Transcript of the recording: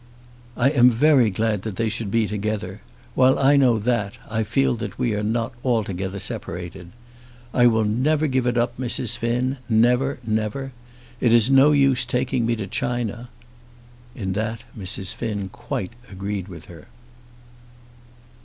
"I am very glad they should be together. While I know that, I feel that we are not altogether separated. I will never give it up, Mrs. Finn, never; never. It is no use taking me to China." In that Mrs. Finn quite agreed with her.